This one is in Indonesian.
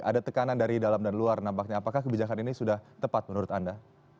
ada tekanan dari dalam dan luar nampaknya apakah kebijakan ini sudah tepat menurut anda